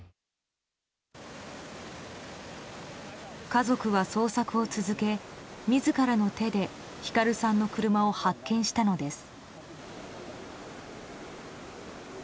家族は捜索を続け自らの手で晃さんの車を発見したのです。